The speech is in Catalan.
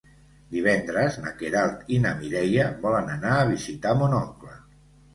Divendres na Queralt i na Mireia volen anar a visitar mon oncle.